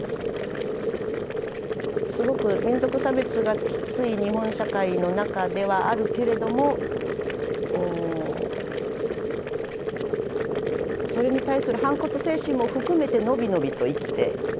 すごく民族差別がきつい日本社会の中ではあるけれどもそれに対する反骨精神も含めて伸び伸びと生きていたと思うんです。